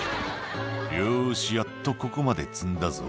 「よしやっとここまで積んだぞ」